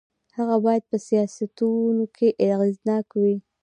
هغه باید په سیاستونو کې اغېزناک وي.